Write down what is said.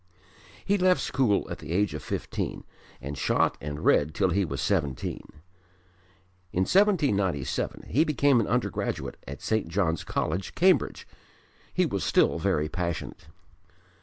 He left school at the age of fifteen and shot and read till he was seventeen. In 1797 he became an undergraduate at St. John's College, Cambridge. He was still very passionate.